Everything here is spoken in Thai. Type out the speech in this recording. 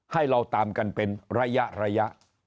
ให้เราตามกันเป็นระยะ